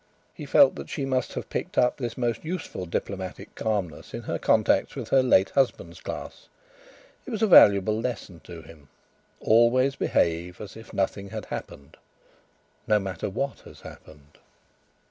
He felt that she must have picked up this most useful diplomatic calmness in her contacts with her late husband's class. It was a valuable lesson to him: "Always behave as if nothing had happened no matter what has happened."